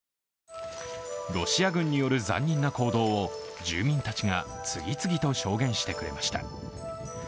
ロシア軍による残忍な行動を住民たちが次々と証言してくれました。